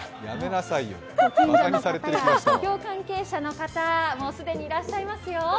漁業関係者の方、既にいらっしゃいますよ。